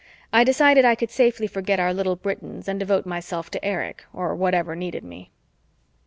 I decided I could safely forget our little Britons and devote myself to Erich or whatever needed me.